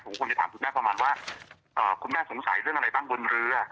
ผมควรจะถามคุณแม่ประมาณว่าคุณแม่สงสัยเรื่องอะไรบ้างบนเรือ